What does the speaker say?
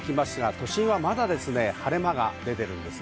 都心はまだ晴れ間が出ています。